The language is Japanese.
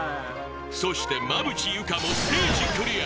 そして馬淵優佳もステージクリア！